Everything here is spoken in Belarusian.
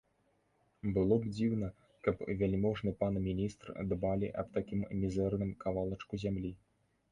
Было б дзіўна, каб вяльможны пан міністр дбалі аб такім мізэрным кавалачку зямлі.